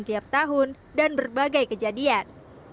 tiap tahun dan berbagai kejadian